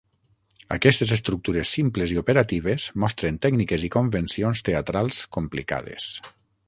Aquestes estructures simples i operatives mostren tècniques i convencions teatrals complicades.